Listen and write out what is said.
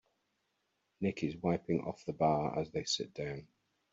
Nick is wiping off the bar as they sit down.